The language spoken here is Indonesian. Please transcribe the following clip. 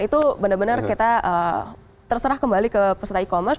itu benar benar kita terserah kembali ke peserta e commerce